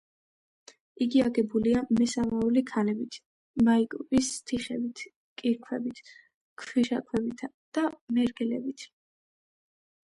იგი აგებულია მესამეული ქანებით: მაიკოპის თიხებით, კირქვებით, ქვიშაქვებითა და მერგელებით.